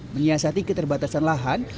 menyiasati keterbatasan lahan